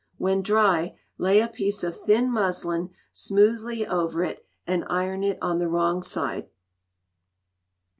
When dry, lay a piece of thin muslin smoothly over it, and iron it on the wrong side.